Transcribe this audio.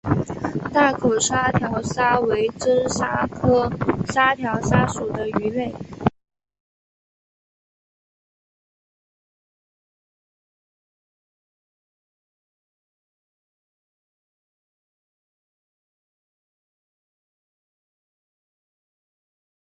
消费者剩余是指购买者的支付意愿减去购买者的实际支付量。